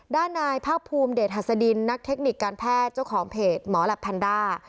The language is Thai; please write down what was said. ด้านนายภาคภูมิเดชหัสดินนักเทคนิคการแพทย์เจ้าของเพจหมอแหลปแพนด้า